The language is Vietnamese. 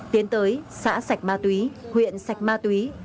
tiến tới xã sạch mát túy huyện sạch mát túy